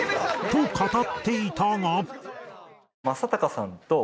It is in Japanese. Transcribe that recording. と語っていたが。